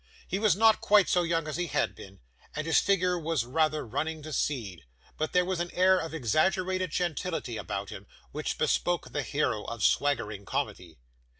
He was not quite so young as he had been, and his figure was rather running to seed; but there was an air of exaggerated gentility about him, which bespoke the hero of swaggering comedy.